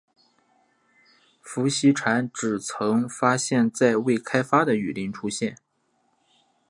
孵溪蟾只曾发现在未开发的雨林出现。